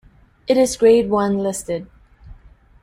It is Grade One listed.